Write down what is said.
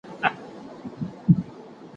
د سولي د ټینګښت لپاره نړیوال کنفرانسونه جوړیږي.